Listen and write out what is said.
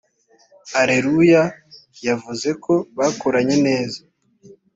Areruya yavuze ko bakoranye neza